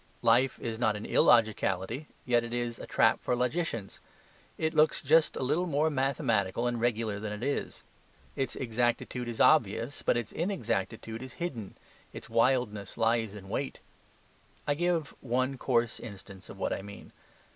Life is not an illogicality; yet it is a trap for logicians. It looks just a little more mathematical and regular than it is; its exactitude is obvious, but its inexactitude is hidden; its wildness lies in wait. I give one coarse instance of what I mean.